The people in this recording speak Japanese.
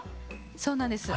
そうなんです。